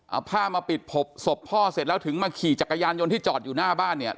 เอาผ้ามาปิดพบศพพ่อเสร็จแล้วถึงมาขี่จักรยานยนต์ที่จอดอยู่หน้าบ้านเนี่ย